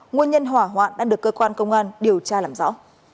nguồn nhân hỏa hoạn đang được cơ quan công an điều tra làm rõ